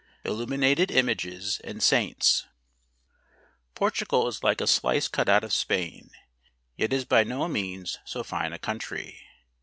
Illuminated Images and Saints . Portugal is like a slice cut out of Spain, yet is by no means so fine a country.